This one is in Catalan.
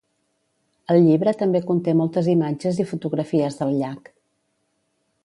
El llibre també conté moltes imatges i fotografies del llac.